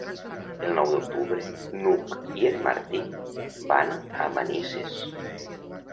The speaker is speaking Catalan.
El nou d'octubre n'Hug i en Martí van a Manises.